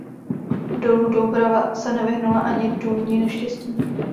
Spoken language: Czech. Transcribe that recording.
Dolu Doubrava se nevyhnula ani důlní neštěstí.